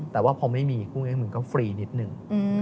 แต่ว่าพอไม่มีคู่นี้มันก็ฟรีนิดนึง